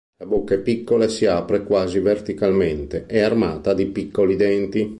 La bocca è piccola e si apre quasi verticalmente; è armata di piccoli denti.